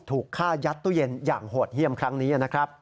ถูกฆ่ายัดตู้เย็นอย่างโหดเยี่ยมครั้งนี้นะครับ